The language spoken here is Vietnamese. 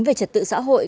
về trật tự xã hội